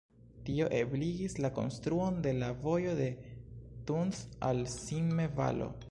Tio ebligis la konstruon de la vojo de Thun al Simme-Valo.